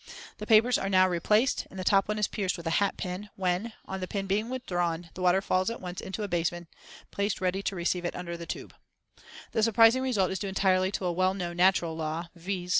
The papers are now replaced, and the top one is pierced with a hat pin, when, on the pin being withdrawn, the water at once falls into a basin placed ready to receive it under the tube. This surprising result is due entirely to a well known natural law, viz.